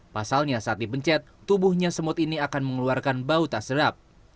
pasalnya saat dipencet tubuhnya semut ini akan mengeluarkan bau tak sedap